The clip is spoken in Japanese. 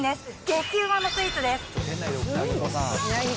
激うまのスイーツです。